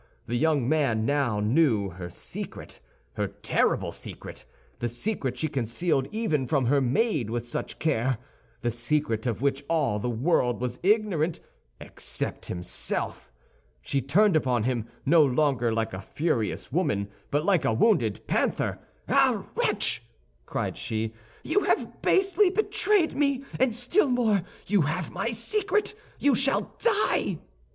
The young man now knew her secret, her terrible secret—the secret she concealed even from her maid with such care, the secret of which all the world was ignorant, except himself. She turned upon him, no longer like a furious woman, but like a wounded panther. "Ah, wretch!" cried she, "you have basely betrayed me, and still more, you have my secret! You shall die."